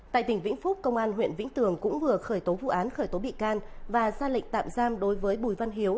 tại tỉnh vĩnh phúc công an huyện vĩnh tường cũng vừa khởi tố vụ án khởi tố bị can và ra lệnh tạm giam đối với bùi văn hiếu